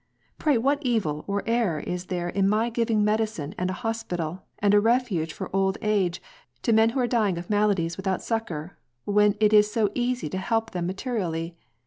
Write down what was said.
Pray what evil or error i« there in my giving medicine and a hospital, and a refuge for old age to men who are dying of maladies without succor, when it is so easy to help them materially